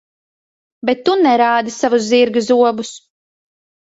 Bet tu nerādi savus zirga zobus.